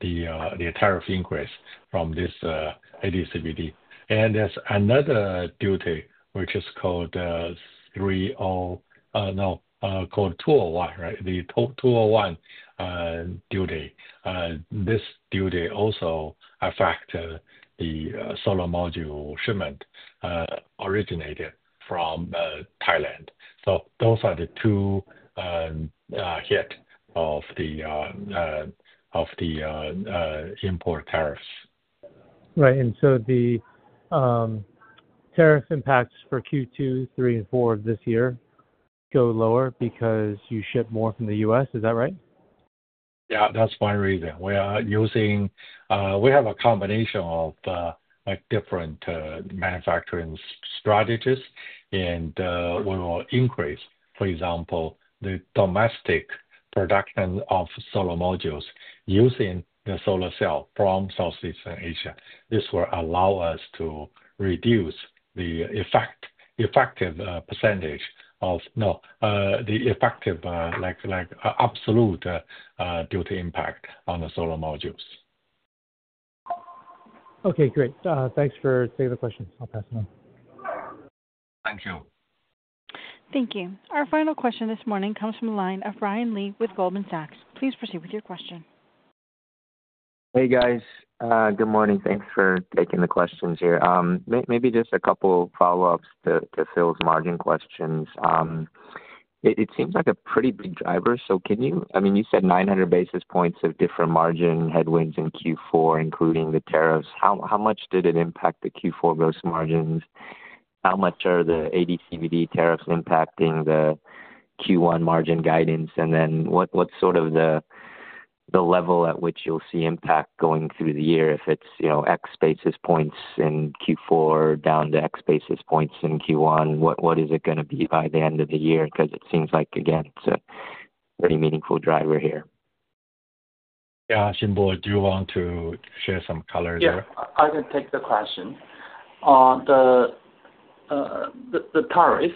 the tariff increase from this ADCVD. There is another duty, which is called 301, right? The 201 duty. This duty also affects the solar module shipment originated from Thailand. Those are the two hit of the import tariffs. Right. The tariff impacts for Q2, Q3, and Q4 of this year go lower because you ship more from the U.S. Is that right? Yeah. That's one reason. We have a combination of different manufacturing strategies, and we will increase, for example, the domestic production of solar modules using the solar cell from Southeastern Asia. This will allow us to reduce the effective percentage of, no, the effective absolute duty impact on the solar modules. Okay. Great. Thanks for taking the questions. I'll pass it on. Thank you. Thank you. Our final question this morning comes from the line of Ryan Lee with Goldman Sachs. Please proceed with your question. Hey, guys. Good morning. Thanks for taking the questions here. Maybe just a couple of follow-ups to Phil's margin questions. It seems like a pretty big driver. Can you, I mean, you said 900 basis points of different margin headwinds in Q4, including the tariffs. How much did it impact the Q4 gross margins? How much are the ADCVD tariffs impacting the Q1 margin guidance? What is sort of the level at which you'll see impact going through the year? If it's X basis points in Q4 down to X basis points in Q1, what is it going to be by the end of the year? It seems like, again, it's a pretty meaningful driver here. Yeah. Xinbo, do you want to share some colors there? Yeah. I can take the question. The tariff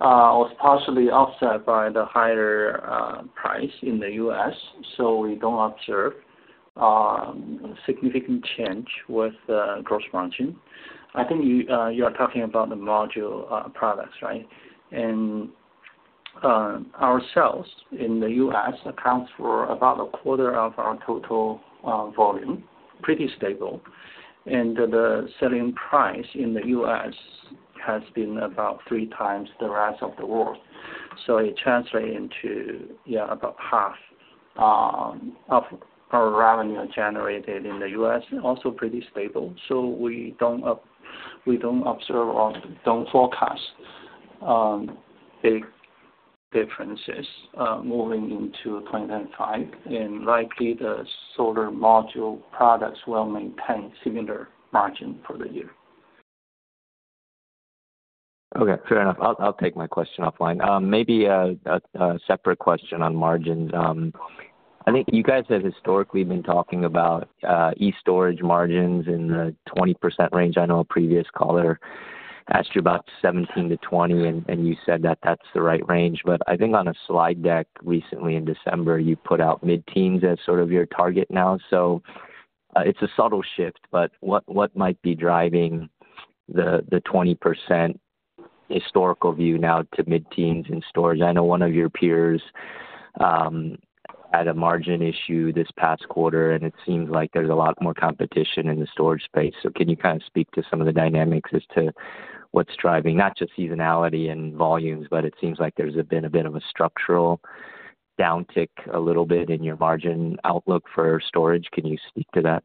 was partially offset by the higher price in the U.S. We do not observe significant change with the gross margin. I think you are talking about the module products, right? Our sales in the U.S. account for about a quarter of our total volume, pretty stable. The selling price in the U.S. has been about three times the rest of the world. It translates into about half of our revenue generated in the U.S., also pretty stable. We do not observe or do not forecast big differences moving into 2025. Likely, the solar module products will maintain similar margin for the year. Okay. Fair enough. I'll take my question offline. Maybe a separate question on margins. I think you guys have historically been talking about e-STORAGE margins in the 20% range. I know a previous caller asked you about 17%-20%, and you said that that's the right range. I think on a slide deck recently in December, you put out mid-teens as sort of your target now. It is a subtle shift, but what might be driving the 20% historical view now to mid-teens in storage? I know one of your peers had a margin issue this past quarter, and it seems like there's a lot more competition in the storage space. Can you kind of speak to some of the dynamics as to what's driving, not just seasonality and volumes, but it seems like there's been a bit of a structural downtick a little bit in your margin outlook for storage? Can you speak to that?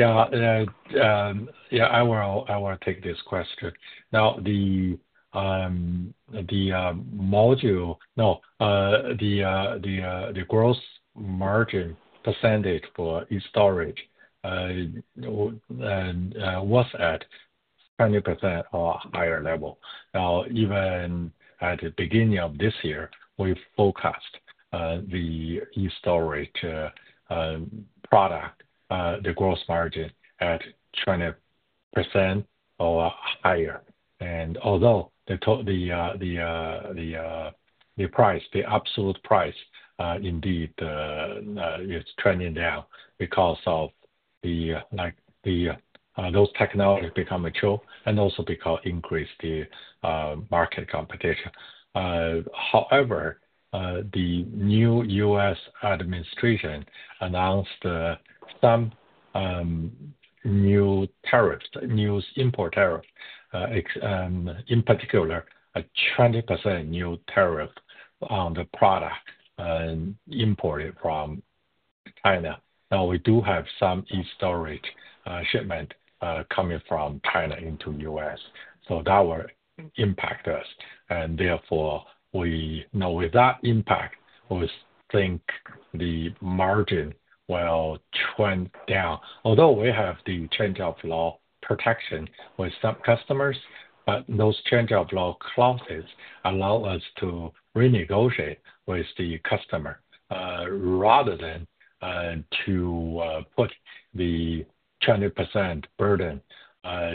Yeah. Yeah. I want to take this question. Now, the module, no, the gross margin percentage for e-STORAGE was at 20% or higher level. Now, even at the beginning of this year, we forecast the e-STORAGE product, the gross margin at 20% or higher. Although the price, the absolute price indeed is trending down because of those technologies becoming mature and also because of increased market competition. However, the new U.S. administration announced some new tariffs, new import tariffs, in particular, a 20% new tariff on the product imported from China. Now, we do have some e-STORAGE shipment coming from China into the U.S. That will impact us. Therefore, with that impact, we think the margin will trend down. Although we have the change-of-law protection with some customers, those change-of-law clauses allow us to renegotiate with the customer rather than to put the 20% burden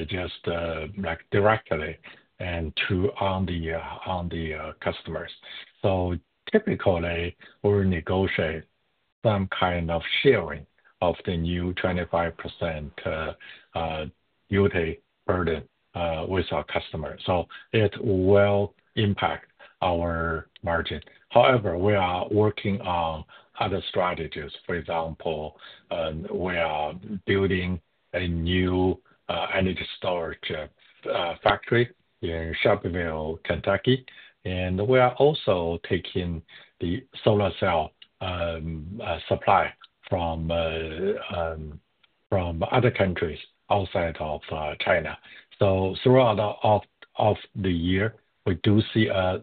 just directly on the customers. Typically, we'll negotiate some kind of sharing of the new 25% duty burden with our customers. It will impact our margin. However, we are working on other strategies. For example, we are building a new energy storage factory in Shelbyville, Kentucky. We are also taking the solar cell supply from other countries outside of China. Throughout the year, we do see us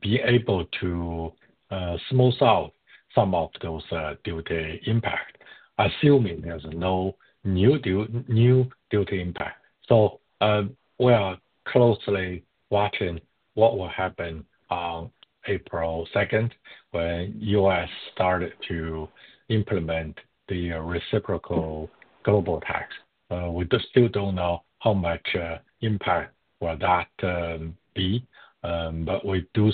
be able to smooth out some of those duty impacts, assuming there's no new duty impact. We are closely watching what will happen on April 2nd when the U.S. started to implement the reciprocal global tax. We still don't know how much impact will that be, but we do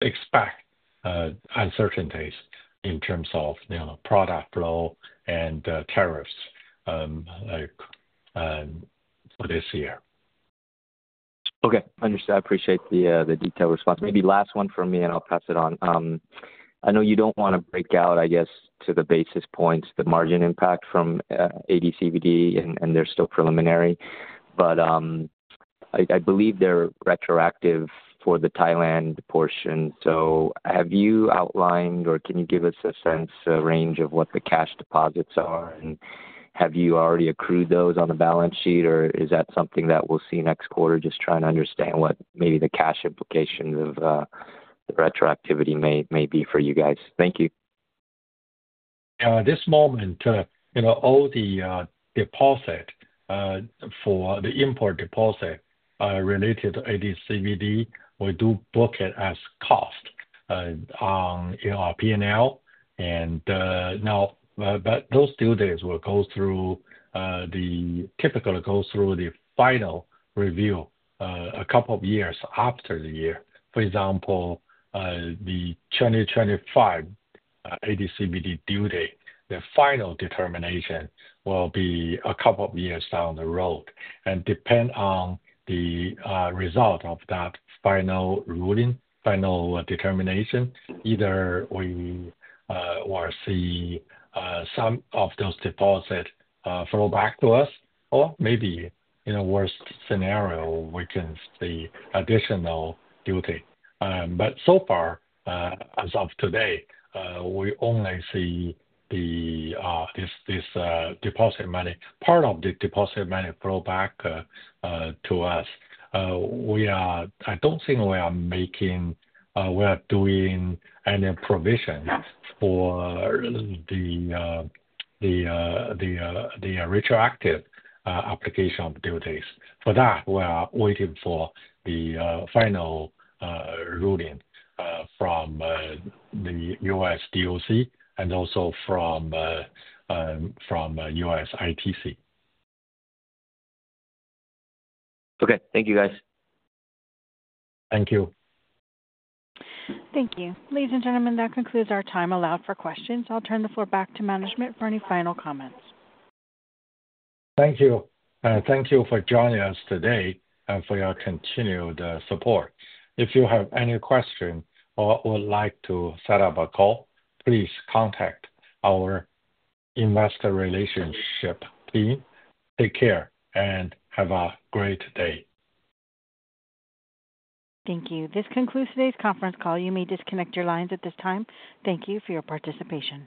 expect uncertainties in terms of product flow and tariffs for this year. Okay. Understood. I appreciate the detailed response. Maybe last one from me, and I'll pass it on. I know you don't want to break out, I guess, to the basis points, the margin impact from ADCVD, and they're still preliminary. I believe they're retroactive for the Thailand portion. Have you outlined or can you give us a sense, a range of what the cash deposits are? Have you already accrued those on the balance sheet, or is that something that we'll see next quarter? Just trying to understand what maybe the cash implications of the retroactivity may be for you guys. Thank you. Yeah. At this moment, all the deposit for the import deposit related to ADCVD, we do book it as cost on our P&L. Now, those duties will typically go through the final review a couple of years after the year. For example, the 2025 ADCVD duty, the final determination will be a couple of years down the road. Depending on the result of that final ruling, final determination, either we will see some of those deposits flow back to us, or maybe in a worst scenario, we can see additional duty. So far, as of today, we only see this deposit money. Part of the deposit money flow back to us. I do not think we are making any provision for the retroactive application of duties. For that, we are waiting for the final ruling from the U.S. DOC and also from U.S. ITC. Okay. Thank you, guys. Thank you. Thank you. Ladies and gentlemen, that concludes our time allowed for questions. I'll turn the floor back to management for any final comments. Thank you. Thank you for joining us today and for your continued support. If you have any questions or would like to set up a call, please contact our investor relationship team. Take care and have a great day. Thank you. This concludes today's conference call. You may disconnect your lines at this time. Thank you for your participation.